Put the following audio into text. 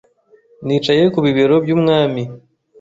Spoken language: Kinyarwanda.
nicaye ku bibero by’umwami